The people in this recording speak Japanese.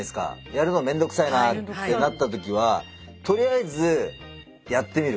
やるのめんどくさいなってなったときはとりあえずやってみる。